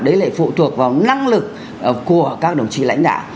đấy lại phụ thuộc vào năng lực của các đồng chí lãnh đạo